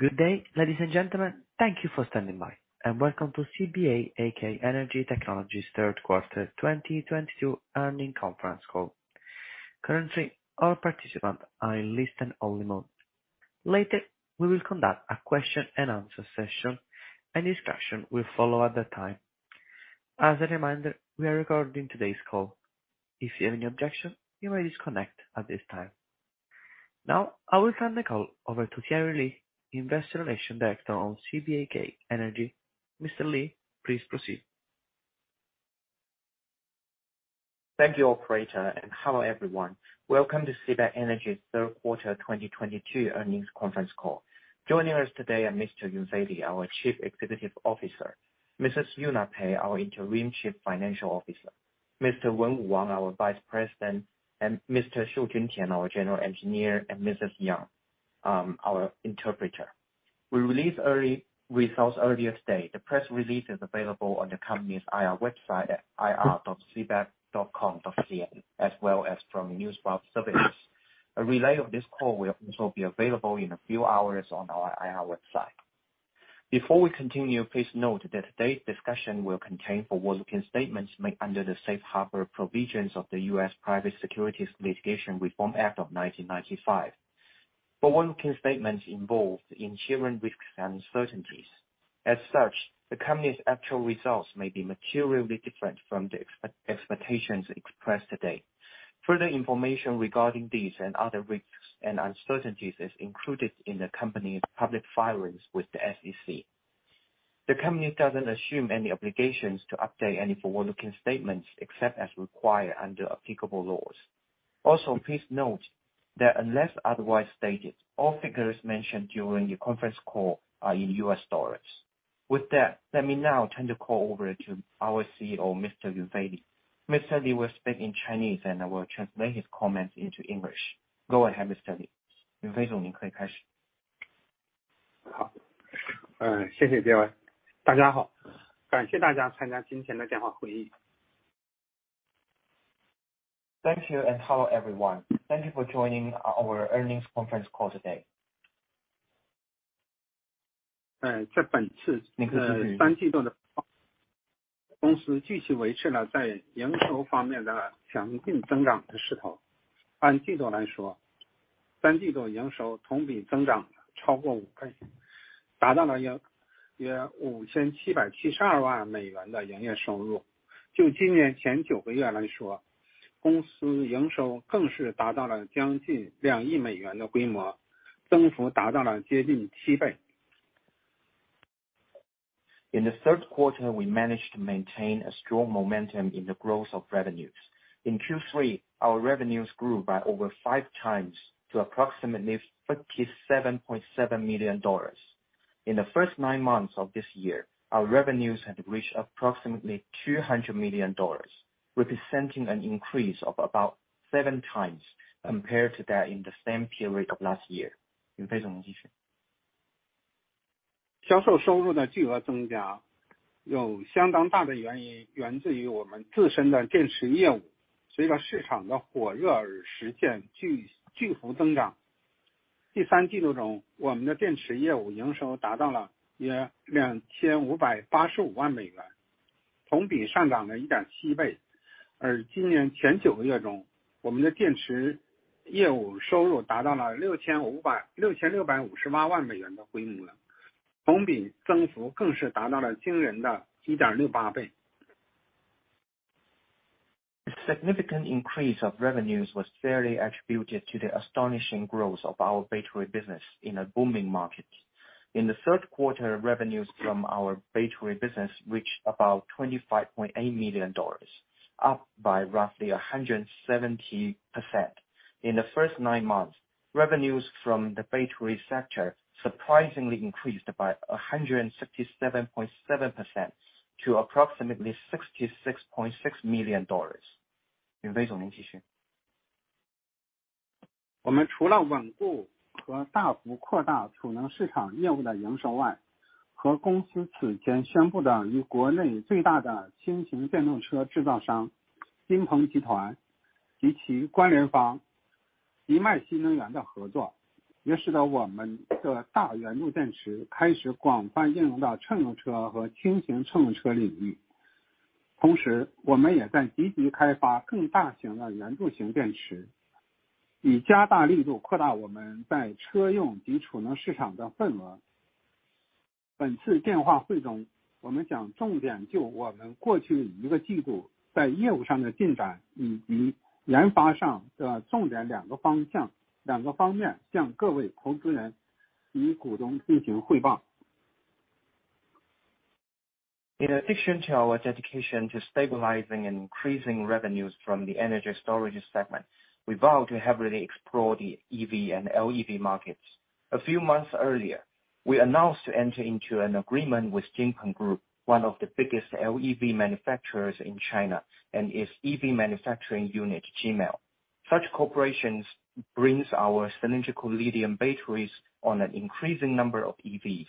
Good day, ladies and gentlemen. Thank you for standing by, and welcome to CBAK Energy Technology's Q3 2022 Earnings Conference Call. Now, I will turn the call over to Thierry Li, Investor Relations Director of CBAK Energy Technology. Mr. Li, please proceed. Thank you operator, and hello everyone. Welcome to CBAK Energy's Q3 2022 earnings conference call. Joining us today are Mr. Yunfei Li, our Chief Executive Officer, Ms. Xiangyu Pei, our Interim Chief Financial Officer, Mr. Wenwu Wang, our Vice President, Mr. Xiujun Tian, our General Engineer, and Mrs. Yang, our interpreter. We released results earlier today. The press release is available on the company's IR website at ir.cbak.com.cn, as well as from the Newswise services. A replay of this call will also be available in a few hours on our IR website. Before we continue, please note that today's discussion will contain forward-looking statements made under the Safe Harbor Provisions of the US Private Securities Litigation Reform Act of 1995. Forward-looking statements involve inherent risks and uncertainties. As such, the company's actual results may be materially different from the expectations expressed today. Further information regarding these and other risks and uncertainties is included in the company's public filings with the SEC. The company doesn't assume any obligations to update any forward-looking statements except as required under applicable laws. Also, please note that unless otherwise stated, all figures mentioned during the conference call are in US dollars. With that, let me now turn the call over to our CEO, Mr. Yunfei Li. Mr. Lee will speak in Chinese and I will translate his comments into English. Go ahead, Mr. Li. Thank you, and hello, everyone. Thank you for joining our earnings conference call today. In the Q3, we managed to maintain a strong momentum in the growth of revenues. In Q3, our revenues grew by over 5x to approximately $57.7 million. In the 1st nine months of this year, our revenues had reached approximately $200 million, representing an increase of about 7x compared to that in the same period of last year. The significant increase of revenues was fairly attributed to the astonishing growth of our battery business in a booming market. In the Q3, revenues from our battery business reached about $25.8 million, up by roughly 170%. In the 1st nine months, revenues from the battery sector surprisingly increased by 167.7% to approximately $66.6 million. In addition to our dedication to stabilizing and increasing revenues from the energy storage segment, we vow to heavily explore the EV and LEV markets. A few months earlier, we announced to enter into an agreement with Jinpeng Group, one of the biggest LEV manufacturers in China, and its EV manufacturing unit, Jimai. Such cooperation brings our cylindrical lithium batteries on an increasing number of EVs.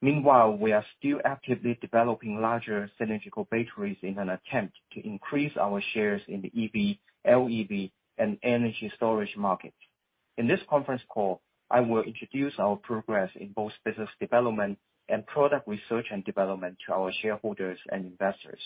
Meanwhile, we are still actively developing larger cylindrical batteries in an attempt to increase our shares in the EV, LEV, and energy storage market. In this conference call, I will introduce our progress in both business development and product research and development to our shareholders and investors.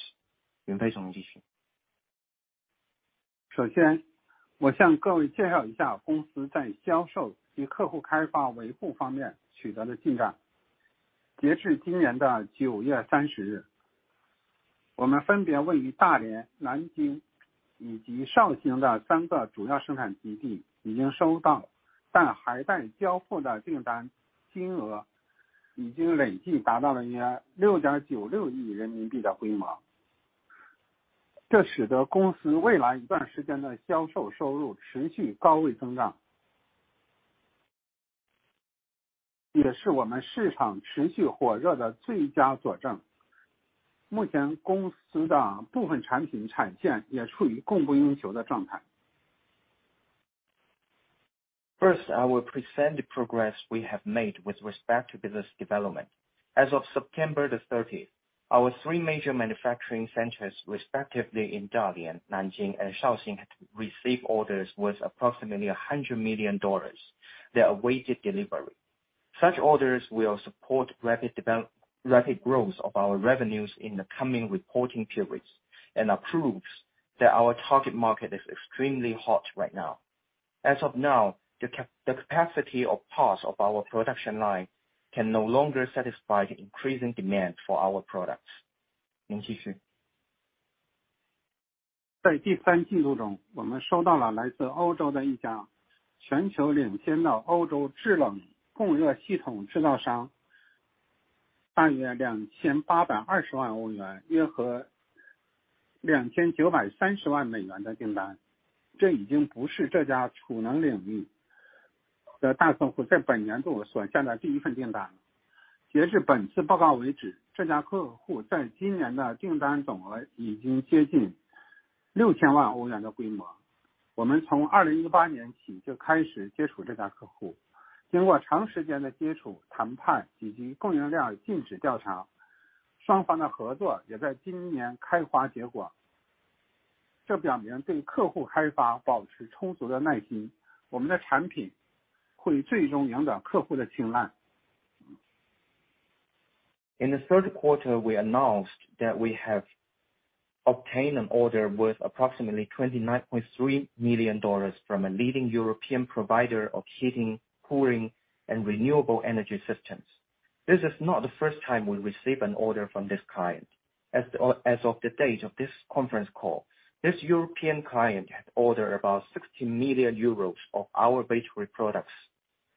1st, I will present the progress we have made with respect to business development. As of September 30th, our three major manufacturing centers, respectively in Dalian, Nanjing and Shaoxing, had received orders worth approximately $100 million. They awaited delivery. Such orders will support rapid growth of our revenues in the coming reporting periods, and proves that our target market is extremely hot right now. As of now, the capacity of parts of our production line can no longer satisfy the increasing demand for our products. 在第三季度中，我们收到了来自欧洲的一家全球领先的欧洲制冷、供热系统制造商大约€2,820万，约合$2,930万的订单。这已经不是这家储能领域的大客户在本年度所下的第一份订单。截至本次报告为止，这家客户在今年的订单总额已经接近€6,000万的规模。我们从2018年起就开始接触这家客户，经过长时间的接触、谈判以及供应量尽职调查，双方的合作也在今年开花结果。这表明对客户开发保持充足的耐心，我们的产品会最终赢得客户的青睐。In the Q3, we announced that we have obtained an order worth approximately $29.3 million from a leading European provider of heating, cooling, and renewable energy systems. This is not the 1st time we receive an order from this client. As of the date of this conference call, this European client had ordered about 60 million euros of our battery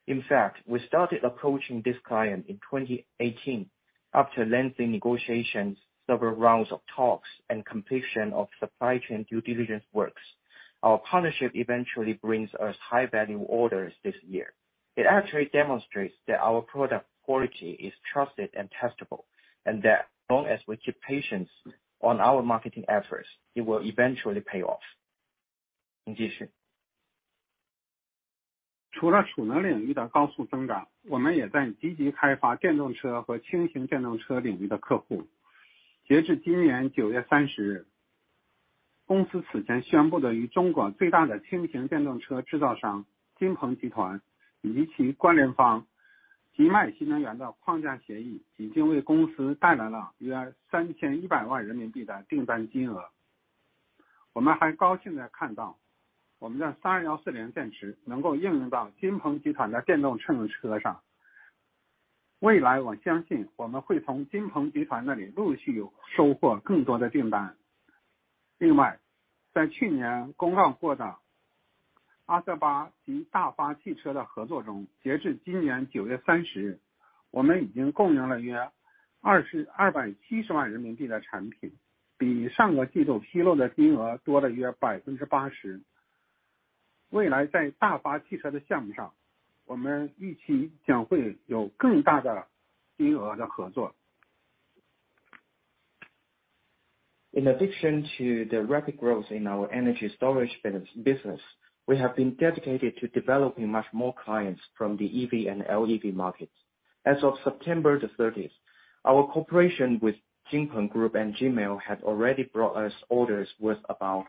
products. In fact, we started approaching this client in 2018. After lengthy negotiations, several rounds of talks and completion of supply chain due diligence works, our partnership eventually brings us high value orders this year. It actually demonstrates that our product quality is trusted and testable, and that as long as we keep patience on our marketing efforts, it will eventually pay off. In addition to the rapid growth in our energy storage business, we have been dedicated to developing much more clients from the EV and LEV markets. As of September 30, our cooperation with Jinpeng Group and Jimai had already brought us orders worth about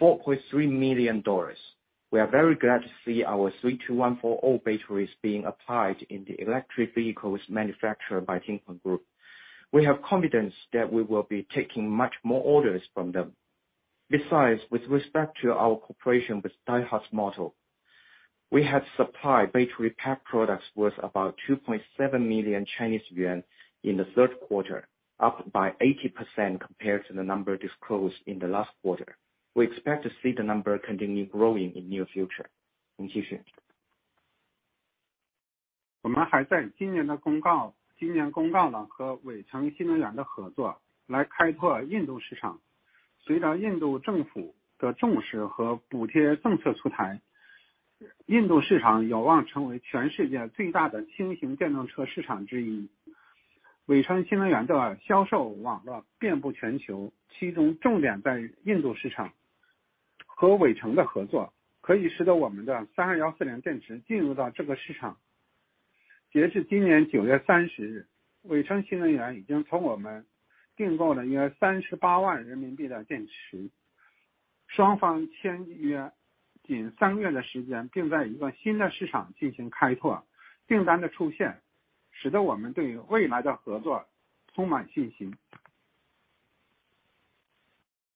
$4.3 million. We are very glad to see our 32140 batteries being applied in the electric vehicles manufactured by Jinpeng Group. We have confidence that we will be taking much more orders from them. Besides, with respect to our cooperation with Daihatsu Motor, we have supplied battery pack products worth about 2.7 million Chinese yuan in the Q3, up by 80% compared to the number disclosed in the last quarter. We expect to see the number continue growing in near future.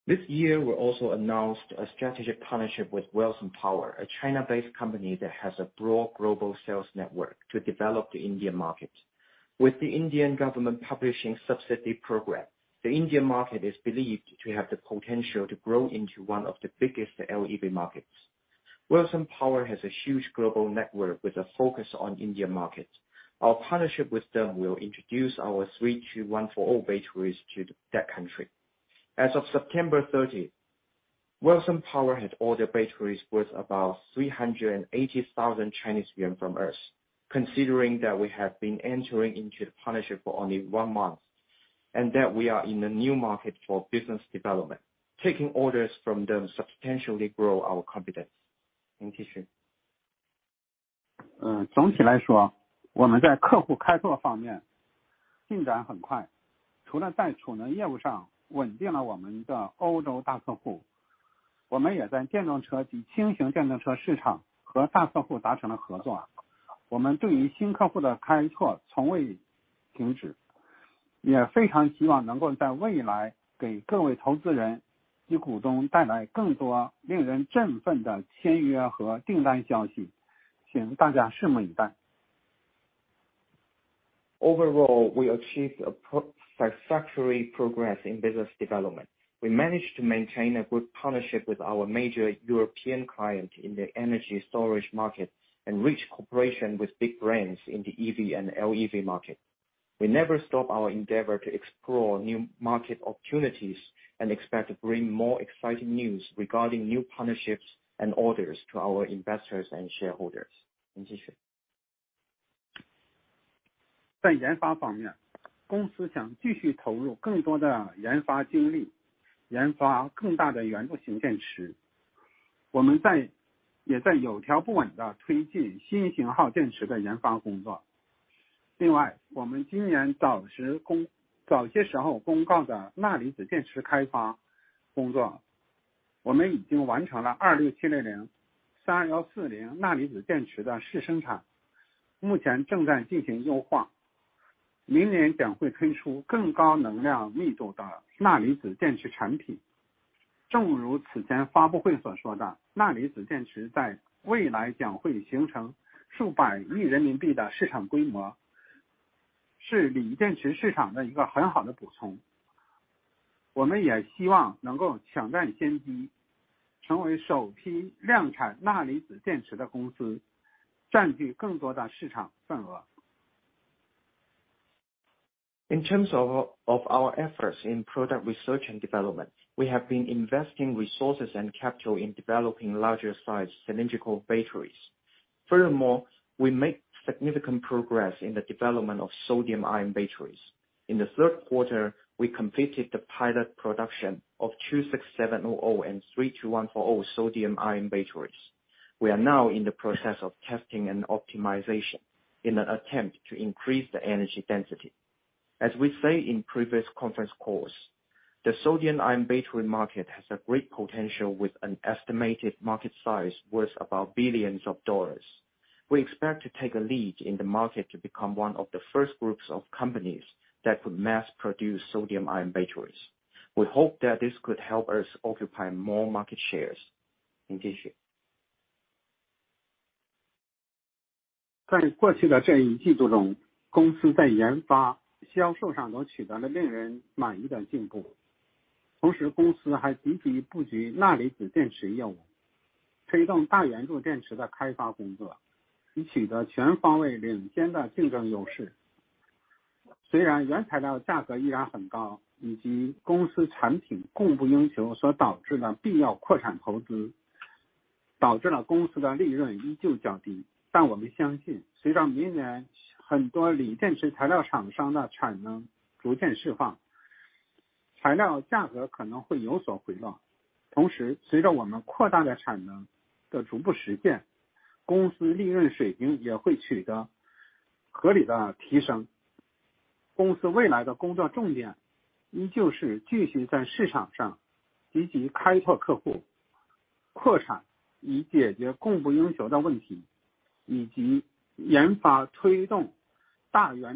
This year we also announced a strategic partnership with Welson Power, a China-based company that has a broad global sales network to develop the Indian market. With the Indian government publishing subsidy program, the Indian market is believed to have the potential to grow into one of the biggest LEV markets. Welson Power has a huge global network with a focus on Indian market. Our partnership with them will introduce our 32140 batteries to that country. As of September 30, Welson Power had ordered batteries worth about 380,000 Chinese yuan from us. Considering that we have been entering into the partnership for only one month and that we are in a new market for business development, taking orders from them substantially grow our confidence. 总体来说，我们在客户开拓方面进展很快。除了在储能业务上稳定了我们的欧洲大客户，我们也在电动车及轻型电动车市场和大客户达成了合作。我们对于新客户的开拓从未停止，也非常希望能够在未来给各位投资人与股东带来更多令人振奋的签约和订单消息，请大家拭目以待。Overall, we achieved satisfactory progress in business development. We managed to maintain a good partnership with our major European clients in the energy storage market and reach cooperation with big brands in the EV and LEV market. We never stop our endeavor to explore new market opportunities and expect to bring more exciting news regarding new partnerships and orders to our investors and shareholders. In terms of our efforts in product research and development, we have been investing resources and capital in developing larger size cylindrical batteries. Furthermore, we make significant progress in the development of sodium ion batteries. In the Q3, we completed the pilot production of 26700 and 32140 sodium ion batteries. We are now in the process of testing and optimization in an attempt to increase the energy density. As we say in previous conference calls, the sodium ion battery market has a great potential with an estimated market size worth about billions of dollars. We expect to take a lead in the market to become one of the 1st groups of companies that could mass produce sodium ion batteries. We hope that this could help us occupy more market shares. To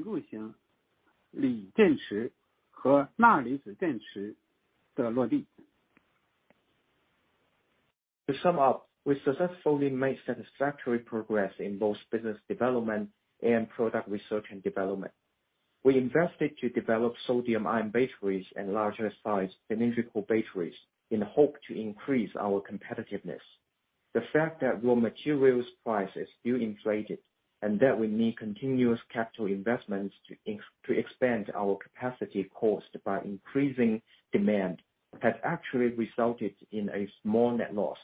sum up, we successfully made satisfactory progress in both business development and product research and development. We invested to develop sodium-ion batteries and larger size cylindrical batteries in hope to increase our competitiveness. The fact that raw materials prices still inflated and that we need continuous capital investments to expand our capacity caused by increasing demand has actually resulted in a small net loss.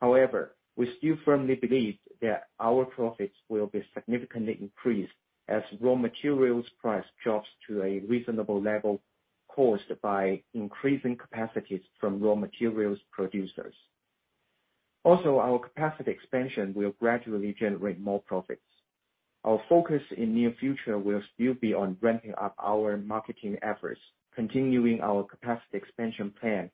However, we still firmly believe that our profits will be significantly increased as raw materials price drops to a reasonable level caused by increasing capacities from raw materials producers. Also, our capacity expansion will gradually generate more profits. Our focus in near future will still be on ramping up our marketing efforts, continuing our capacity expansion plan,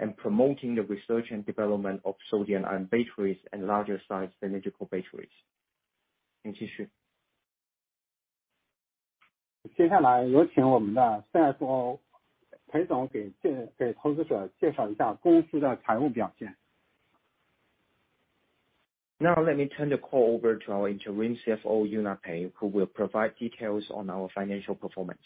and promoting the research and development of sodium-ion batteries and larger size cylindrical batteries. Now let me turn the call over to our Interim CFO, Xiangyu Pei, who will provide details on our financial performance.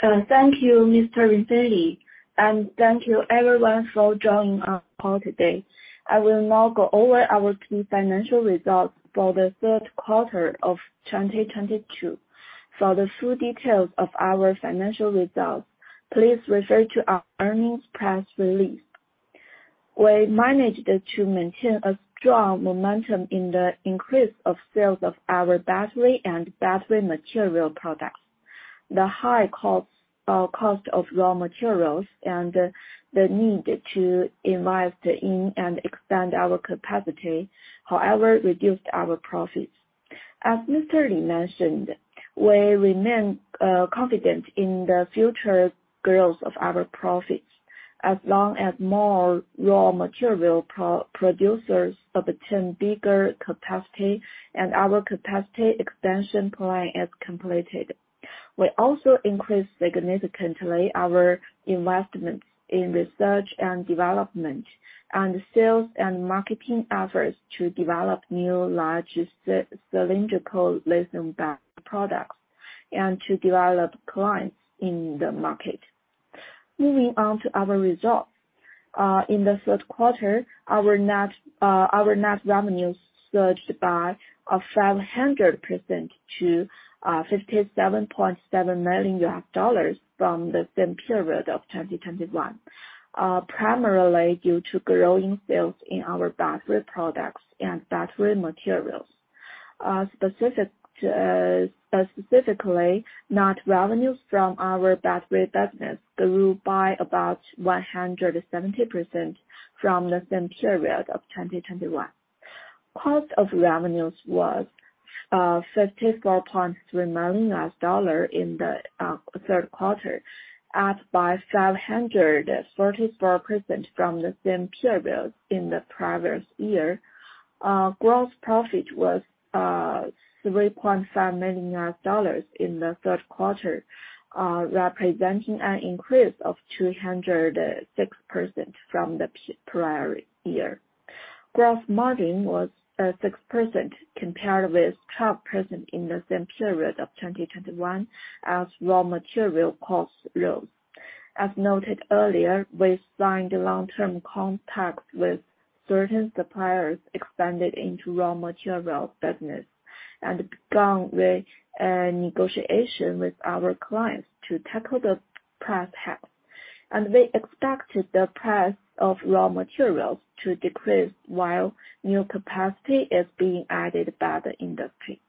Thank you, Mr. Yunfei Li, and thank you everyone for joining our call today. I will now go over our key financial results for the Q3 of 2022. For the full details of our financial results, please refer to our earnings press release. We managed to maintain a strong momentum in the increase of sales of our battery and battery material products. The high cost of raw materials and the need to invest in and expand our capacity, however, reduced our profits. As Mr. Yunfei Li mentioned, we remain confident in the future growth of our profits as long as more raw material producers obtain bigger capacity and our capacity expansion plan is completed. We also increased significantly our investment in research and development and sales and marketing efforts to develop new larger cylindrical lithium-ion battery products and to develop clients in the market. Moving on to our results. In the Q3, our net revenues surged by 500% to $57.7 million from the same period of 2021, primarily due to growing sales in our battery products and battery materials. Specifically, net revenues from our battery business grew by about 170% from the same period of 2021. Cost of revenues was $54.3 million in the Q3, up by 534% from the same period in the previous year. Gross profit was $3.5 million in the Q3, representing an increase of 206% from the prior year. Gross margin was 6% compared with 12% in the same period of 2021 as raw material costs rose. As noted earlier, we signed long-term contracts with certain suppliers, expanded into raw material business, and begun negotiations with our clients to tackle the price hike. We expected the price of raw materials to decrease while new capacity is being added by the industry.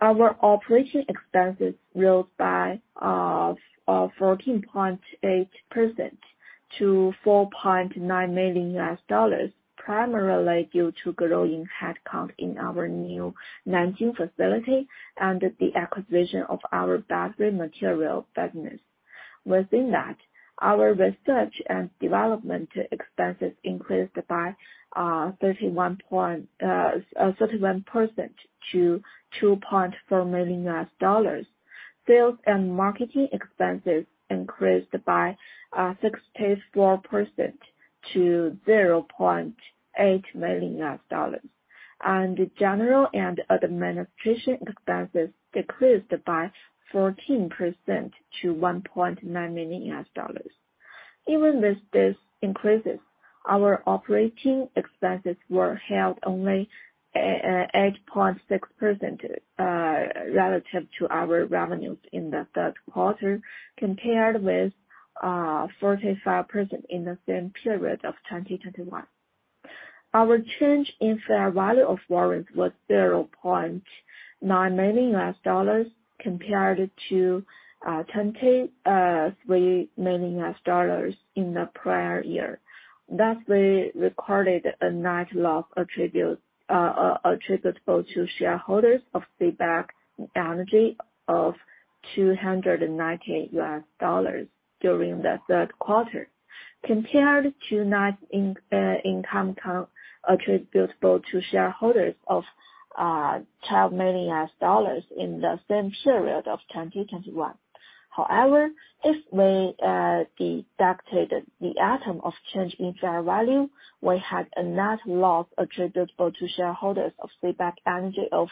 Our operating expenses rose by 14.8% to $4.9 million, primarily due to growing headcount in our new Nanjing facility and the acquisition of our battery material business. Within that, our research and development expenses increased by 31% to $2.4 million. Sales and marketing expenses increased by 64% to $0.8 million. General and administrative expenses decreased by 14% to $1.9 million. Even with these increases, our operating expenses were held to only 8.6% relative to our revenues in the Q3 compared with 45% in the same period of 2021. Our change in fair value of warrants was $0.9 million compared to $23 million in the prior year. Thus, we recorded a net loss attributable to shareholders of CBAK Energy of $290 during the Q3 compared to net income attributable to shareholders of $12 million in the same period of 2021. However, if we deducted the item of change in fair value, we had a net loss attributable to shareholders of CBAK Energy of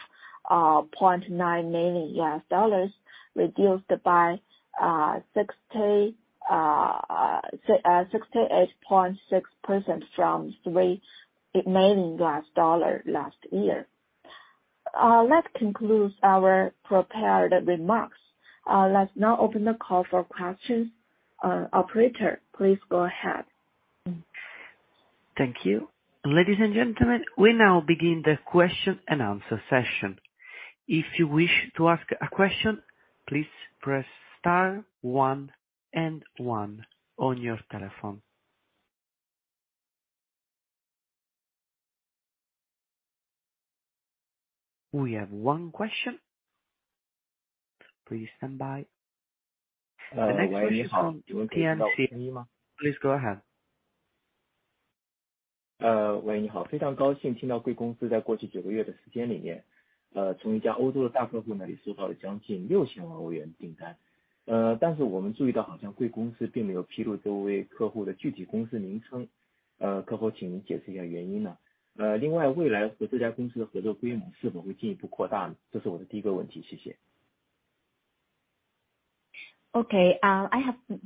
$0.9 million, reduced by 68.6% from $3 million last year. That concludes our prepared remarks. Let's now open the call for questions. Operator, please go ahead. Thank you. Ladies and gentlemen, we now begin the question-and-answer session. We have one question. Please go ahead. I have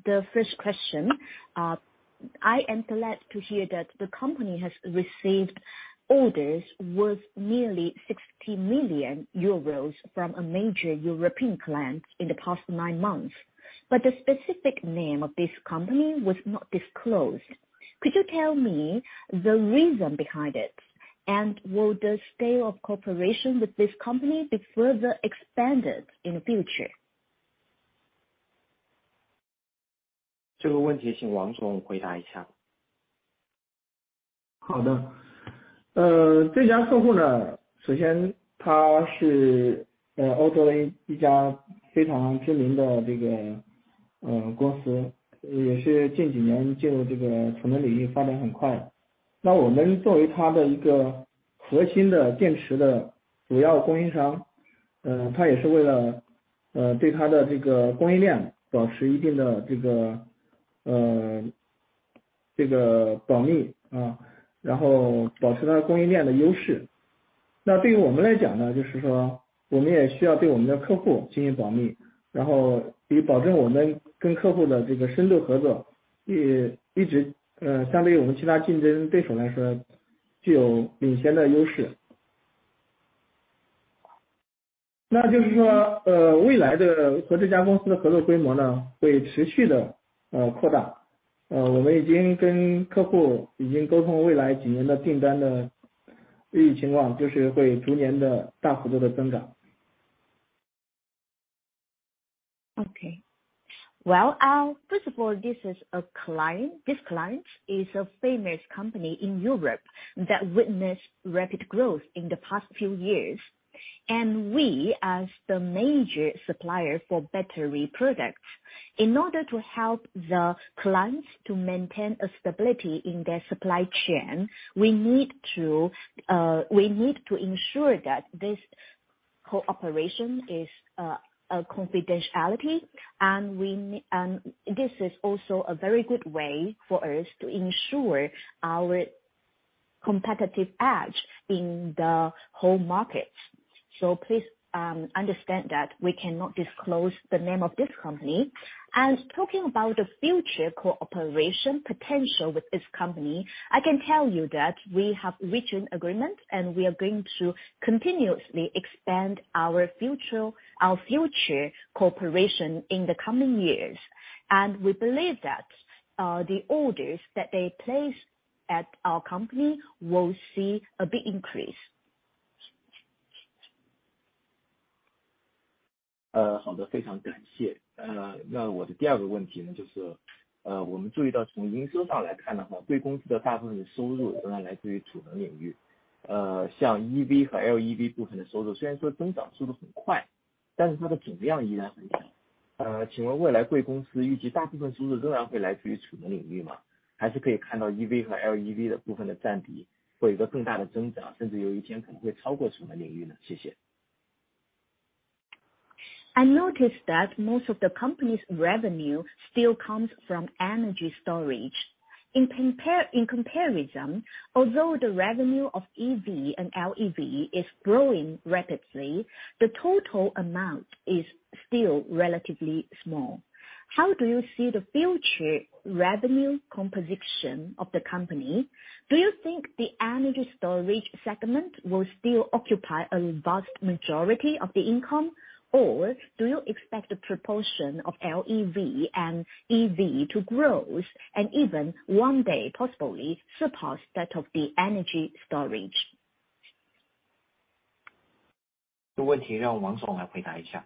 the 1st question. I am glad to hear that the company has received orders worth nearly 60 million euros from a major European client in the past nine months, but the specific name of this company was not disclosed. Could you tell me the reason behind it? Will the scale of cooperation with this company be further expanded in the future? 1st of all, this is a client, this client is a famous company in Europe that witness rapid growth in the past few years. We as the major supplier for battery products, in order to help the clients to maintain a stability in their supply chain, we need to ensure that this cooperation is a confidentiality. This is also a very good way for us to ensure our competitive edge in the whole market. Please understand that we cannot disclose the name of this company. Talking about the future cooperation potential with this company, I can tell you that we have reached an agreement and we are going to continuously expand our future cooperation in the coming years. We believe that the orders that they place at our company will see a big increase. I notice that most of the company's revenue still comes from energy storage. In comparison, although the revenue of EV and LEV is growing rapidly, the total amount is still relatively small. How do you see the future revenue composition of the company? Do you think the energy storage segment will still occupy a vast majority of the income? Or do you expect the proportion of LEV and EV to growth and even one day possibly surpass that of the energy storage? 这个问题让王总来回答一下。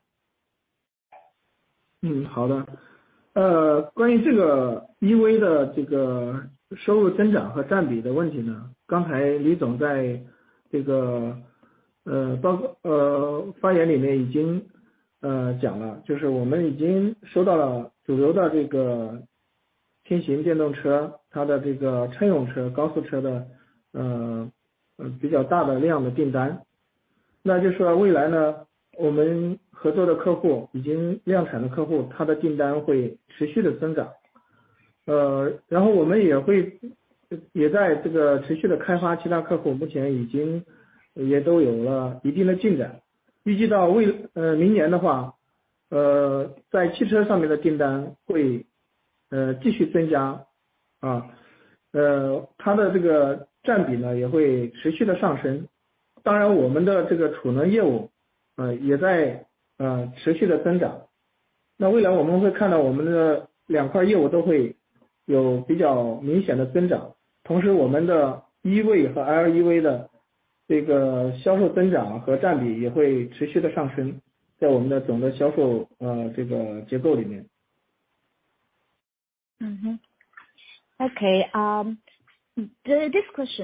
This question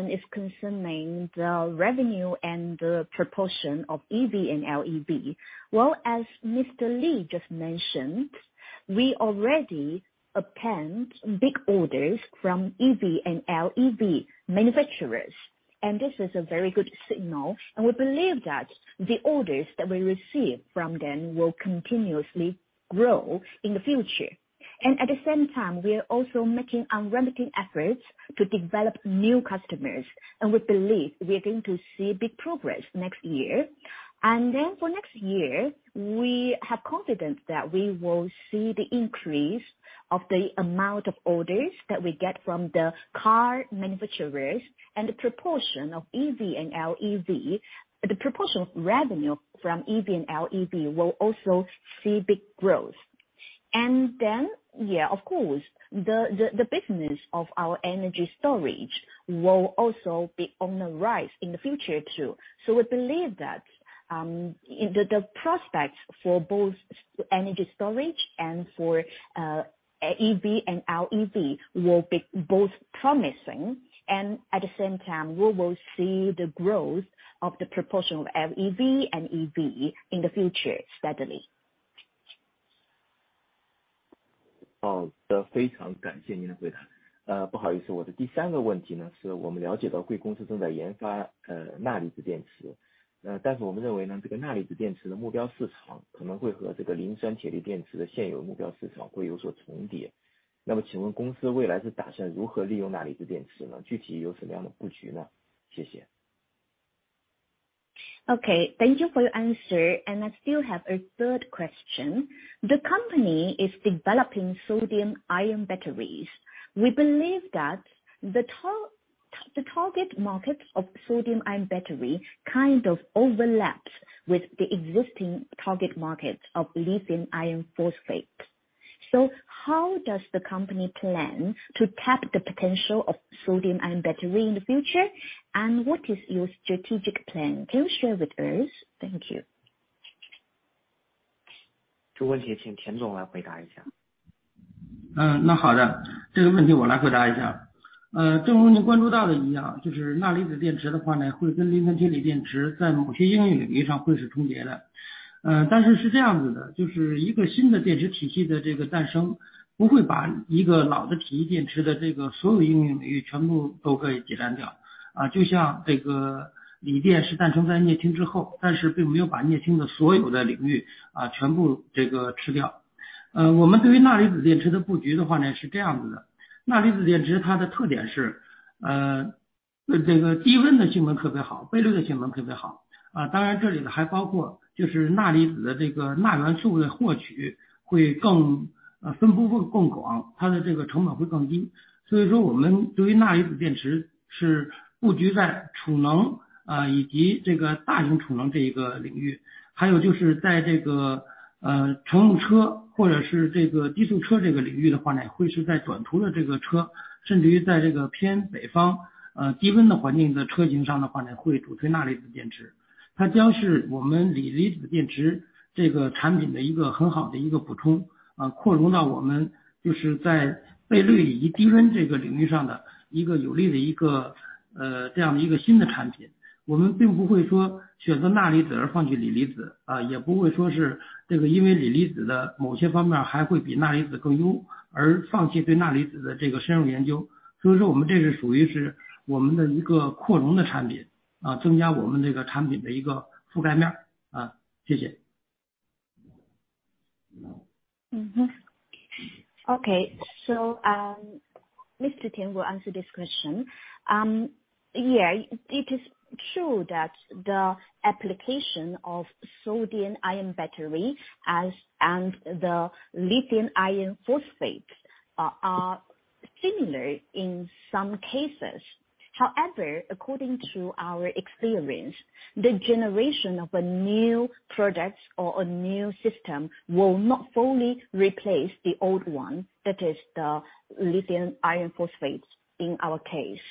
is concerning the revenue and the proportion of EV and LEV. Well, as Mr. Lee just mentioned, we already obtained big orders from EV and LEV manufacturers, and this is a very good signal. We believe that the orders that we receive from them will continuously grow in the future. At the same time, we are also making unremitting efforts to develop new customers. We believe we are going to see big progress next year. Then for next year, we have confidence that we will see the increase of the amount of orders that we get from the car manufacturers and the proportion of EV and LEV. The proportion of revenue from EV and LEV will also see big growth. Yeah, of course, the business of our energy storage will also be on the rise in the future too. We believe that the prospects for both energy storage and for EV and LEV will be both promising. At the same time, we will see the growth of the proportion of LEV and EV in the future steadily. 好的，非常感谢您的回答。不好意思，我的第三个问题呢，是我们了解到贵公司正在研发钠离子电池，但是我们认为呢，这个钠离子电池的目标市场可能会和这个磷酸铁锂电池的现有目标市场会有所重叠。那么请问公司未来是打算如何利用钠离子电池呢？具体有什么样的布局呢？谢谢。Okay, thank you for your answer. I still have a 3rd question. The company is developing sodium-ion batteries. We believe that the target market of sodium-ion battery kind of overlaps with the existing target market of lithium iron phosphate. How does the company plan to tap the potential of sodium-ion battery in the future? What is your strategic plan? Can you share with us? Thank you. 这问题请田总来回答一下。Mhm. Okay. Mr. Tian will answer this question. Yeah, it is true that the application of sodium-ion batteries and the lithium iron phosphate are similar in some cases. However, according to our experience, the generation of a new product or a new system will not fully replace the old one, that is the lithium iron phosphate in our case.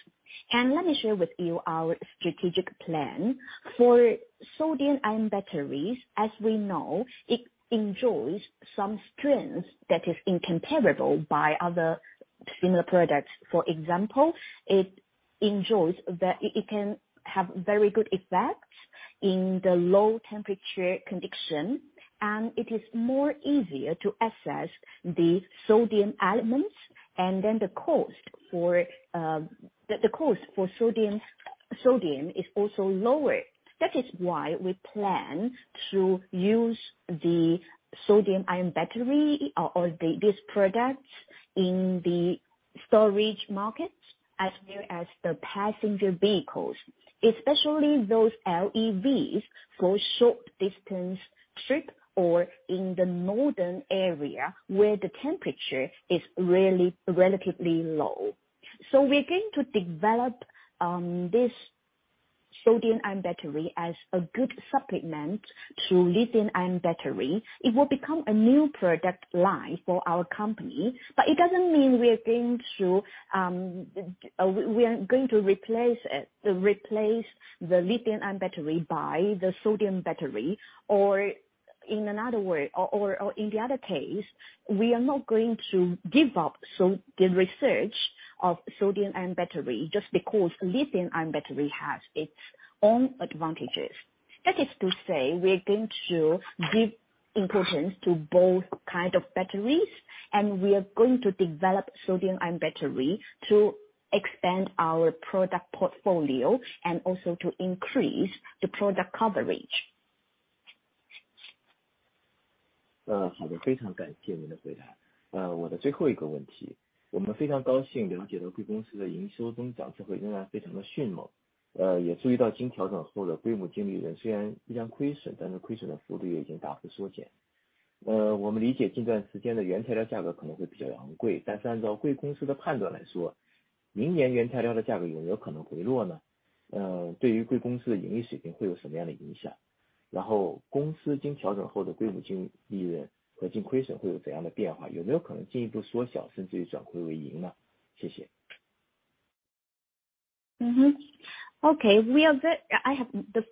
Let me share with you our strategic plan for sodium-ion batteries. As we know, it enjoys some strengths that is incomparable by other similar products. For example, it can have very good effects in the low temperature condition, and it is more easier to access the sodium elements. Then the cost for sodium is also lower. That is why we plan to use the sodium-ion battery or these products in energy storage markets as well as the passenger vehicles, especially those LEVs for short distance trip or in the northern area where the temperature is really relatively low. We're going to develop this sodium-ion battery as a good supplement to lithium-ion battery. It will become a new product line for our company. It doesn't mean we are going to replace the lithium-ion battery by the sodium-ion battery, or in the other case, we are not going to give up on the research of sodium-ion battery just because lithium-ion battery has its own advantages. That is to say, we are going to give importance to both kind of batteries, and we are going to develop sodium-ion battery to expand our product portfolio and also to increase the product coverage. I have the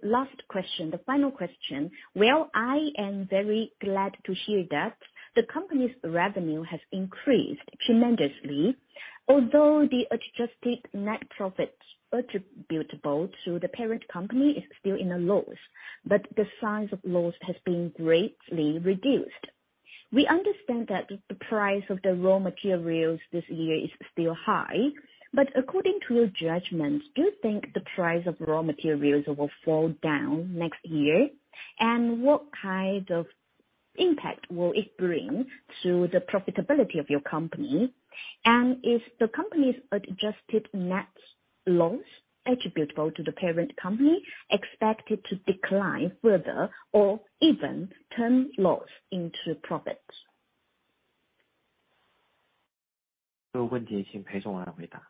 last question. The final question. Well, I am very glad to hear that the company's revenue has increased tremendously. Although the adjusted net profit attributable to the parent company is still in a loss, but the size of loss has been greatly reduced. We understand that the price of the raw materials this year is still high, but according to your judgment, do you think the price of raw materials will fall down next year? And what kind of impact will it bring to the profitability of your company? And is the company's adjusted net loss attributable to the parent company expected to decline further or even turn loss into profit? 这个问题请裴总来回答。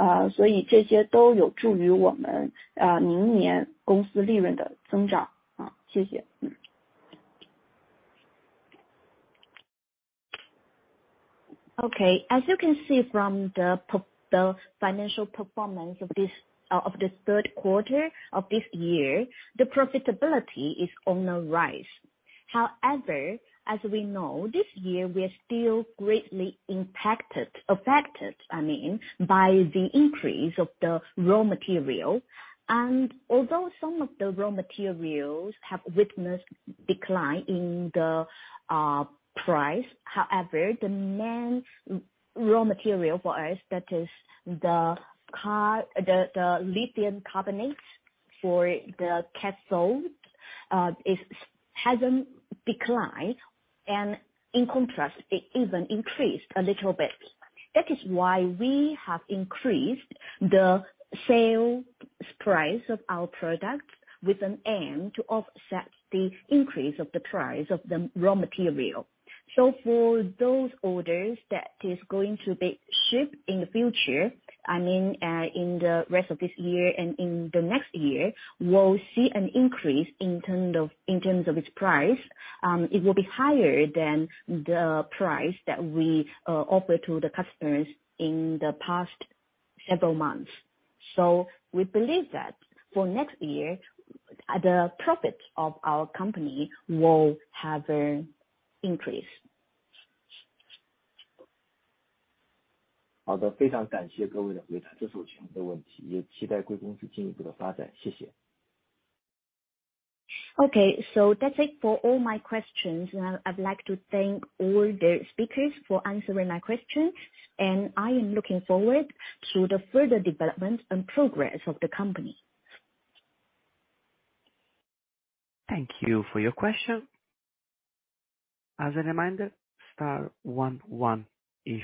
Okay. As you can see from the financial performance of this Q3 of this year, the profitability is on the rise. However, as we know, this year, we are still greatly impacted, affected, I mean, by the increase of the raw material. Although some of the raw materials have witnessed decline in the price, however, the main raw material for us, that is the lithium carbonate for the cathode, hasn't declined and in contrast, it even increased a little bit. That is why we have increased the sales price of our products with an aim to offset the increase of the price of the raw material. For those orders that is going to be shipped in the future, I mean, in the rest of this year and in the next year, we'll see an increase in terms of its price. It will be higher than the price that we offer to the customers in the past several months. We believe that for next year, the profits of our company will have increased. 好的，非常感谢各位的回答。这是我全部的问题，也期待贵公司进一步的发展。谢谢。Okay. That's it for all my questions. I'd like to thank all the speakers for answering my questions, and I am looking forward to the further development and progress of the company. Thank you for your question. There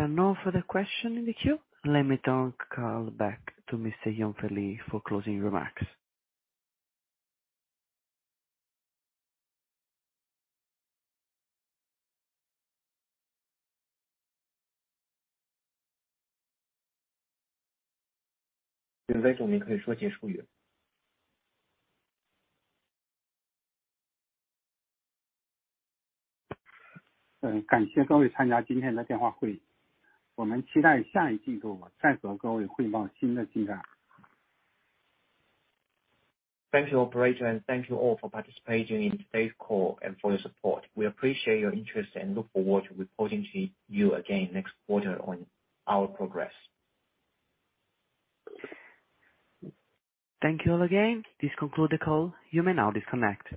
are no further question in the queue. Let me turn call back to Mr. Yunfei Li for closing remarks. 云飞总，您可以说结束语。感谢各位参加今天的电话会议。我们期待下一季度再和各位汇报新的进展。Thank you, operator. Thank you all for participating in today's call and for your support. We appreciate your interest and look forward to reporting to you again next quarter on our progress. Thank you all again. This concludes the call. You may now disconnect.